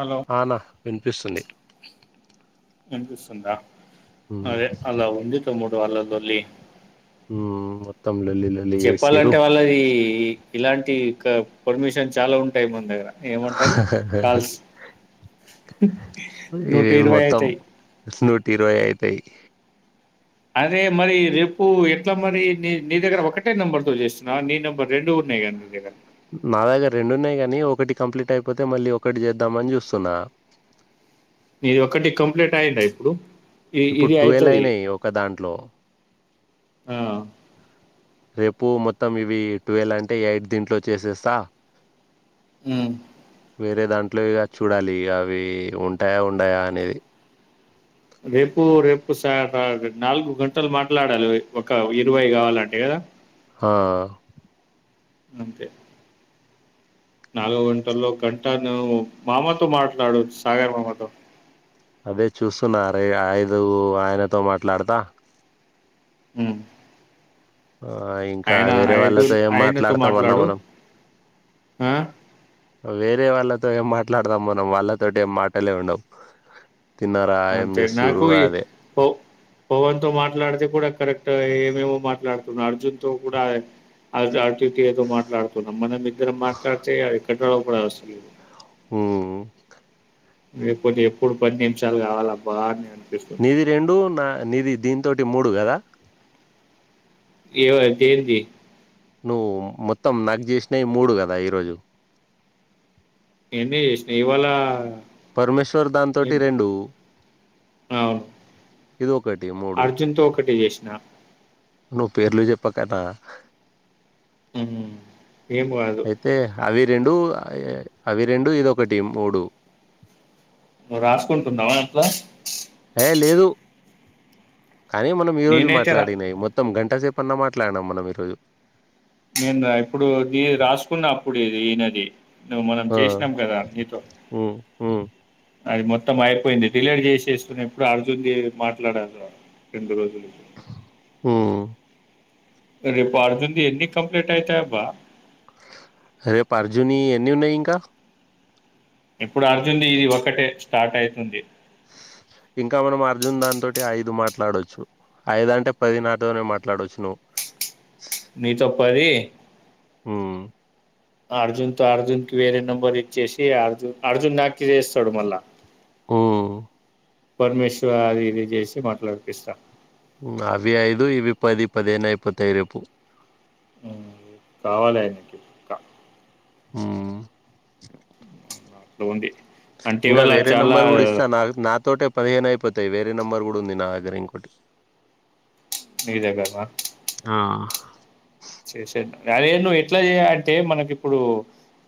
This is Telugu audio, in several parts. హలో ఆ నా వినిపిస్తుంది వినిపిస్తుందా మ్మ్ అదే అలా ఉంది తమ్ముడు ఆళ్ల లొల్లి మ్మ్ మొత్తం లొల్లి లొల్లి చేసిర్రు చెప్పాలంటే వాళ్లది ఇలాంటి క పర్మిషన్ చాలా ఉంటాయి మన దగ్గర ఏమంటారు కాల్స్ నూటి ఇరవై అయితాయి తిరో అయితాయి అరే మరి రేపు ఎట్ల మరి నీ నీ దగ్గర ఒకటే నెంబర్ తో చేస్ నా నీ నెంబర్ రెండు ఉన్నాయి గా నీ దగ్గర నా దగ్గర రెండున్నాయి కానీ ఒకటి కంప్లీట్ అయిపోతే మళ్లీ ఒకటి చేద్దామని చూస్తున్నా నీది ఒకటి కంప్లీంట్ అయిందా ఇప్పుడు ఇ ఇప్పుడు ఇది ట్వెల్వ్ అయితది అయినాయి ఒక దాంట్లో ఆ రేపు మొత్తం ఇవి ట్వెల్వ్ అంటే ఎయిట్ దీంట్లో చేసేస్తా ఉ వేరే దాంట్లో ఇగ చూడాలి అవి ఉంటాయా ఉండయా అనేది రేపు రేపు స న నాలుగు గంటలు మాట్లాడాలి ఒక్క ఇరవై కావాలంటే కదా హా అంతే నాలుగు గంటల్లో గంట నువ్వు మామతో మాట్లాడు సాగర్ మామతో అదే చూస్తున్న అరే ఐదు ఆయనతో మాట్లాడతా ఉహ్ ఆ ఇంకా ఆయన వేరే ఐదు వాళ్ళతో ఏం ఆయనతో మాట్లాడతామన్నా మాట్లాడు మనం అ వేరే వాళ్లతో ఏం మాట్లాడదాం మనం వాళ్ళతోటి ఏం మాటలే ఉండవు తిన్నారా ఏం అంతే చేస్తుర్రు నాకూ ఈ అదే ఓ ఓ వంతో మా అలాడితే కూడా కరెక్ట్ ఏమేమో మాట్లాడుతున్నా అర్జున్ తో కూడా అ అద ఉరికే ఏదో మాట్లాడుతున్నం మనం ఇద్దరం మాట్లాడితే అది కట్ట్ అవ్వ కూడా అవసరం లేదు ఉ ఉ లేకపోతే ఎప్పుడు పది నిమిషాలు కావాలా అబ్బ అని నేను నీది రెండు నా నీది దీంతో టి మూడు కద ఈమెది అయిపోయింది నువ్వు మొత్తం నాకి చేసినవి మూడు కదా ఈరోజు నిన్న చేసినా ఇవాళ పరమేశ్వర్ దాని తోటి ఎన్- రెండు అవును ఇది ఒకటి మూడు అర్జున్ తో ఒకటి చేసిన నువ్వు పేర్లు చెప్పకు అన్న హు హు అయితే అవి రెండు అవి రెండు ఇది ఒకటి మూడు నువ్వు రాసుకుంటున్నావా అట్ల ఏయ్ లేదు కానీ మనం ఈ రోజు నేనైతే రా మాట్లాడినవి మొత్తం గంట సేప్ పొందా మాట్లాడినామ్ మనం ఈరోజు నేను ఇప్పుడు నీ రాసుకున్న అప్పుడు ఇది ఈయనది నువ్వు మనం ఆ చేసినాం కదా నీతో ఉమ్ ఉమ్ అది మొత్తం అయిపోయింది డిలీట్ చేసేసుకున్నాప్పుడు అర్జున్ ది మాట్లాడాలి రెండు రోజులు ఆ రేపు అర్జున్ ది ఎన్ని కంప్లీట్ అయితాయబ్బ రేపు అర్జున్ యి ఎన్ని ఉన్నాయి ఇంకా ఇప్పుడు అర్జున్ ది ఇది ఒకటే స్టార్ట్ అయితుంది. ఇంకా మనం అర్జున్ దాని తోటి ఐదు మాట్లాడొచ్చు. ఐదంటే పది నాతోనే మాట్లాడొచ్చు నువ్వు నీతో పది ఉమ్ అర్జున్ తో అర్జున్కి వేరే నెంబర్ ఇచ్చేసి అర్జున్ అర్జున్ దానికి చేస్తాడు మళ్ళా ఊ పరమేశ్వర్, ఆది ఇది చేసి మాట్లాడపిస్తా ఆ అవి ఐదు ఇవి పది పదిహేను అయిపోతాయి రేపు కావాలి ఆయనకి క ఆ అంట్లుంది ఇంకా వేరే నెంబర్ కూడా ఇస్తా న నాతోట పదిహేను అయిపోతయి వేరే నెంబర్ కూడా ఉంది నా దగ్గర ఇంకోటి నీదగ్గరనా ఆ అదేందో ఎట్ల చేయాలంటే మనకిప్పుడు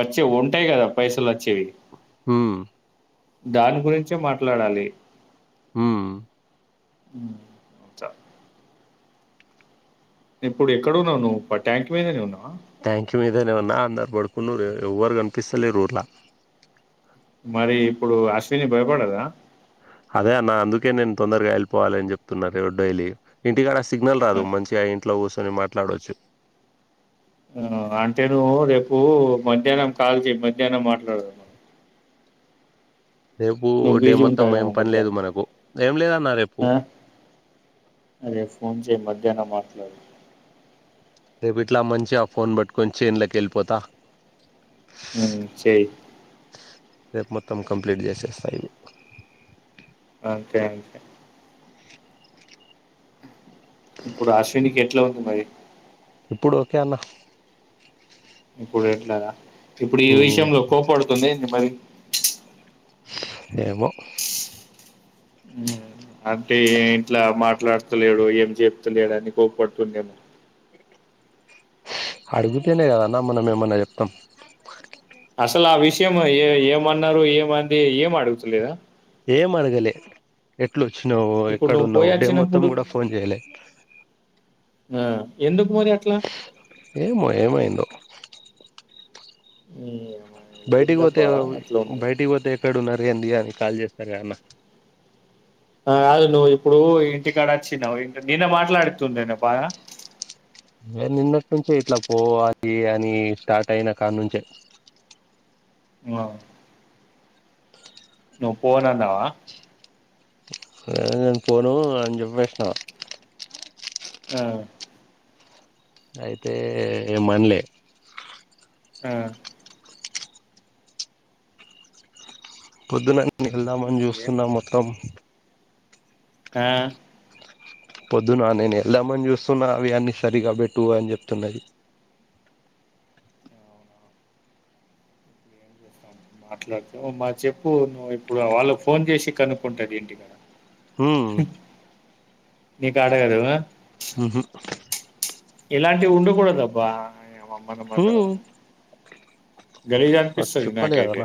వచ్చే ఉంటాయి కదా పైసలు వచ్చేవి ఉమ్ దాని గురించే మాట్లాడాలి. ఉమ్ చ ఇప్పుడు ఎక్కడ ఉన్నావు నువ్వు ప ట్యాంక్ పయిననే ఉన్నావా ట్యాంకి మీదే నేనున్నా అందరు బడుకున్నరు ఎవ్వర్ కనిపిస్తలేరూర్లో మరి ఇప్పుడు అశ్విని భయపడదా అదే అన్న అందుకే నేను తొందరగా వెళ్ళిపోవాలి అని చెప్తున్నారు రో డైలీ ఇంటికాడ సిగ్నల్ రాదు మంచిగా ఇంట్లో కూర్చొని మాట్లాడవచ్చు. ఉమ్ అంటే నువ్వు రేపు మధ్యాహ్నం కాల్ చెయ్ మధ్యాహ్నం మాట్లాడదాం ఆ రేపు డే మొత్తం ఏం ఉంటావేమో పని లేదు మధ్యాహ్నం మనకు ఏం లేదన్న రేపు అరే ఫోన్ చేయ్ మధ్యాహ్నం మాట్లాడు రేపు ఇట్లా మంచిగా ఆ ఫోన్ పట్టుకొని చేన్లేకి వెళ్ళిపోతా ఉమ్ చేయ్ రేపు మొత్తం కంప్లీట్ చేసేస్తా ఇవి అంతే అంతే ఇప్పుడు అశ్వికి ఎట్లా ఉంది మరి ఇప్పుడు ఒకె అన్న ఇప్పుడు ఈ ఉమ్, విషయంలో కోపాడుతుందా ఏంది మరి ఏమో ఉమ్ అంటే ఇంట్లా మాట్లాడతలేడు ఏం చెప్తలేడు అని కోపడుతుందేమొ అడుగుతేనే కదన్న మనం ఏమన్నా చెప్తాం అసలు ఆ విషయం ఏ ఏమన్నారు ఏమంది ఏం అడుగుతులేదా ఏం అడగలే ఎట్లు వచ్చినావు ఇప్పుడు ఎక్కడ నువ్వు పోయి ఉన్నావు డే మొత్తం వచ్చినప్పుడు కూడా ఫోన్ చేయలే ఆ ఎందుకు మరి అట్లా ఏమో ఏమైందో ఉమ్ బయటికి పోతే ఎవర్ బయటికి పోతే ఎక్కడున్నా ఏంది అది కాల్ చేస్తారు కదన్నా అదు నువ్వు ఇప్పుడు ఇంటికాడ వచ్చినవు్ నేనే మాట్లాడుతుండే బాగా మీరు నిన్నటి నుంచే ఇట్లా పోవాలి అని స్టార్ట్ అయిన కాడ నుంచే వా నువ్వు పోనాన్నావా అ నేను పోను అని చెప్పేసిన ఆ అయితే ఏ మనలే ఆ పొద్దునే వెళ్దామని చూస్తున్నా మొత్తం ఆా పొద్దున నేను వెళదాం అని చూస్తున్నా అవి అన్నీ సరిగా పెట్టు అని చెప్తున్నది మాట్లాడతావు మా చెప్పు నువ్వు ఇప్పుడు వాళ్ళ ఫోన్ చేసి కనుక్కుంటది ఇంటి కడ హ నీ కాడగారు ఉహు ఇలాంటివి ఉండకూడదబ్బా అమ్మలుమ్మలు చెప్పలేి కదన్న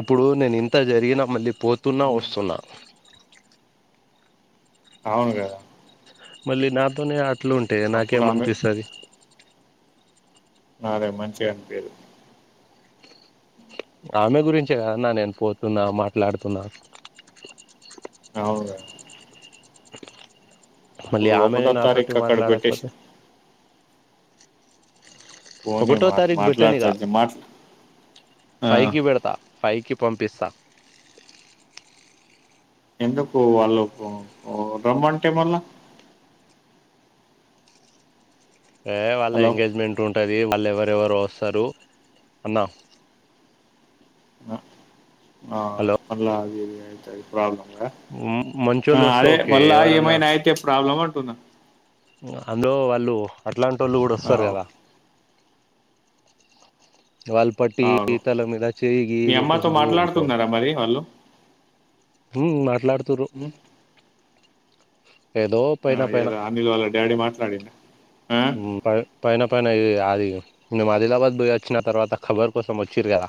ఇప్పుడు నేను ఇ అంత జరిగినా మళ్ళీ పోతున్నా వస్తున్నా అవును కదా మళ్ళీ నాతోనే అట్లు ఉంటా అప్పుడు నాకేమ ఆమె అనిపిస్తుంది నాదే మంచిగా అనిపరు ఆమె గురించే కదన్నా నేను పోతున్నా మాట్లాడుతున్నా అవును మళ్ళీ ఇప్పుడు ఆమె ఒకటో నాతోటి తారీఖు అక్కడ పెట్టేసి మాట్లాడకపోతే పోనీ ఒకటో మా తారీకు బెట్టనిక ఇగా మాట్లాడుతది మాట్లా ఆ ఫైవ్ కి పెడతా ఫైవ్ కి పంప్ పసా ఎందుకు వాళ్ళు రమ్మంటే మళ్ళా ఏ వాళ్ళ హలో ఎంగేజ్మెంట్ ఉంటది వాళ్ళు ఎవరెవరు వస్తారు అన్నా ఆ హలో న అది ప్రాబ్లం ఆ మంచోళ్ళు వస్తే అదే ఓకే మళ్ళా ఎవరన్నా ఏమైనా అయితే ప్రాబ్లమ్ అంటుందా అందులో వాళ్ళు అట్లాంటి వాళ్ళు కూడా వస్తారు అవు కదా వాళ్ళ పట్టి అవును తల మీద చేయగి మీ అమ్మతో బట్టేసి పోయి అనుకో మాట్లాడుతున్నారా మరి వాళ్ళు హ మాట్లాడుతారు ఉమ్, ఆ ఏదో అనిల్ వాల్ళ డాడీ మాట్లాడిన ప పైన పై అది మేము ఆదిలాబాద్ పోయి వచ్చిన తర్వాతఖబర్ కోసం వచ్చిర కద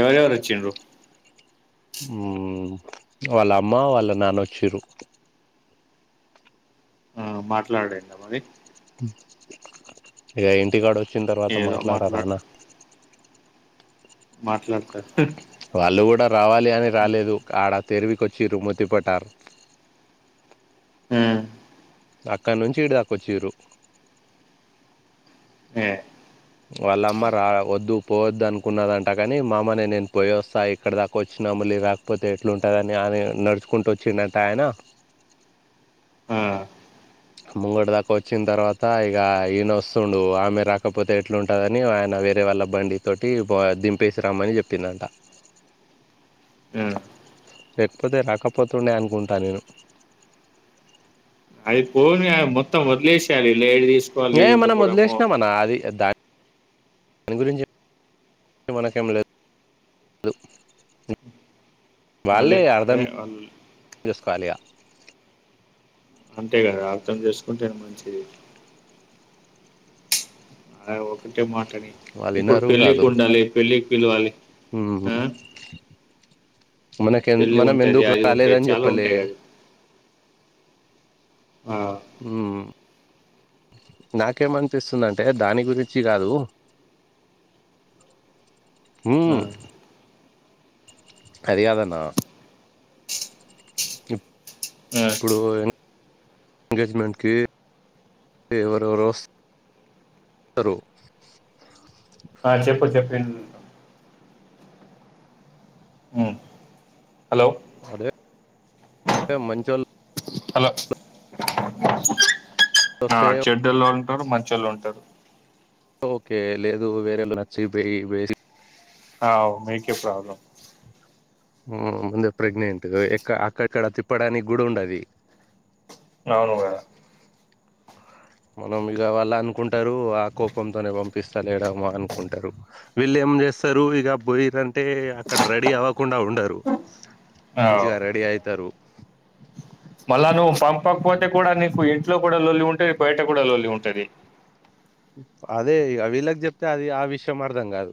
ఎవరవరొచ్చింటు ఉ వాళ్ళ అమ్మ వాళ్ళ నాన్నచ్చరు ఆ మాట్లాడండి మరి ఇక ఇంటికాడు వచ్చిన తర్వాత ఏదో మాట్లా మాట్లాడరాానా మాట్లాడతారు వాళ్ళు కూడా రావాలి అని రాలేదు ఆడ తెరివికొచ్చి రుమతిపారు హ అక్కడి నుంచి ఇద్దదాకా వచ్చిర్రు ఆ వాళ్ళమ్మ రా వద్దు పోవద్దు అనుకున్నదంట కాని మా అమ న నేను పోయి వస్తా ఇక్కడ దాకా వచ్చిన నమలి రాకపోతే ఎట్లుంటుందని అని నడుచుకుంటూ వచ్చిన్నట్ట ఆయన ఆ, ముంగోటి దాకా వచ్చిన తర్వాత ఇక ఈయన వస్తుడు ఆమె రాకపోతే ఎట్లాంటదని ఆయన వేరే వాళ్ళ బండి తోటి దింపేసి రమ్మని చెప్పిందంట ఆ. లేకపోతే రాకపోతుండే అనుకుంటా నేను. అది పోనీ అదీ మొత్తం వద్లేసెయాలే ఇలా లైట్ దిస్. ఎహ్ మనం వదిలేసినాం అన్న అది దా దాని గురించి. మనకేం లేదు ఉమ్. వాళ్ళే అర్థం అదే వాళ్ళు చేసుకోవాలియ. అంతే కదా అర్థం చేసుకుంటేనే మంచిది. అలా ఒకటే మాటాని వాళ్ళు ఇప్పుడు పెళ్ళికి ఉండాలి పెళ్ళికి పిలవాలి. ఆ మనకేం పెళ్ళి మనం ఉంటుంది ఎందుకు అది ఉంటుంది రాలేదని చాలా చెప్పలే. ఉంటాయి కదా ఆ, ఉమ్. నాకేమనిపిస్తుందంటే దాని గురించి కాదు. ఉమ్. ఆ. అది కాదు అన్నా. ఇప్పుడు ఎంగేజ్మెంట్ కి. ఎవరేవరువస్ రు. ఆ చెప్పు చెప్పు ఉమ్ హలో. ఆహ్ మంచొల్లు. హలో ఆహ్ చెడ్డోలు ఉంటారు మంచోళ్ళు ఉంటారు. ఓకే లేదు వేరోళోచ్చి బెయి వేసి. ఆవ్ మీకే ప్రాబ్లం. ము ముందే ప్రెగ్నెంట్ ఎక్క అక్కక్కడ తిప్పడానికి కూడా ఉండది. అవునుగా. మనం ఇగ వాళ్ళు అనుకుంటారు ఆ కోపంతోనే పంపిస్తలేడెమో అనుకుంటారు వీళ్ళేమో. ఏం చేస్తారు ఇగ పోయిండ్రుంటే అక్కడ రెడీ అవ్వకుండా ఉండరు. అవ్ మంచిగా రెడీ అయితారు. మళ్ళా నువ్వు పంపకపోతే కూడా నీకు ఏం. ఇంట్లో కూడా లోల్లి ఉంటది. బయట కూడా లొల్లి ఉంటది. అదే ఇగ వీళ్ళకి చెప్తే అది ఆ విషయం అర్ధం కాదు.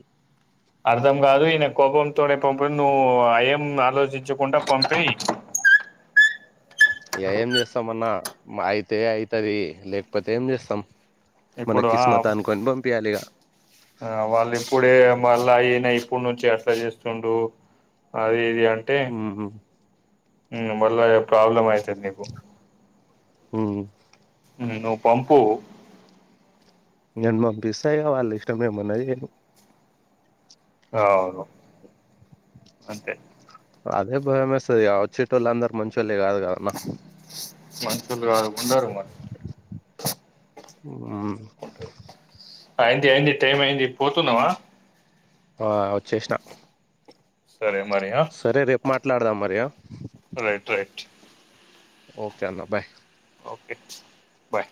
అర్ధం కాదు ఈమె కోపం తోనే పంపింది నువ్వు ఆహ్ ఏం ఆలోచించకుండా పంపేయ్. అయ్య ఏం చేస్తాం అన్నా అయితే అయితది లేకపోతే ఏం చేస్తాం. మన ఇప్పుడు కిస్మత్ ఆహ్ అనుకొని పంపియాలి ఇగ వాళ్ళు ఇప్పుడే. మళ్ళా అయనా ఇప్పుడు నుంచే అట్లా చేస్తుండు అది ఇది అని. ఉహూ. ఉమ్ మళ్ళా ఏం ప్రాబ్లమ్ అయితది నీకు. ఉమ్. నువ్వు పంపు. నేను పంపిస్తా ఇగ వాళ్ళు ఇష్టము ఏమన్నా చేయని. అవును అంతే. అదే భయమేస్తది ఆ వచ్చేటోళ్ళు అందరు మంచోల్లే కాదు కదన్న. మనుషులుగా ఉండరు మ. ఉమ్. అయింది అయింది టైమ్ అయింది పోతున్నావా. ఆహ్ వచ్చేస్నా. సరే మరి ఆహ్. మాట్లాడాదాం మరియ. Right right. ఓకే అన్న బాయ్. Okay bye.